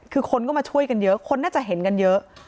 คือคนก็มาช่วยกันเยอะคนน่าจะเห็นกันเยอะ